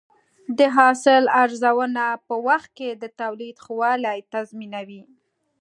د حاصل ارزونه په وخت کې د تولید ښه والی تضمینوي.